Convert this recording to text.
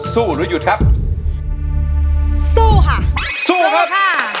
สู้ยุดครับสู้ค่ะสู้ครับ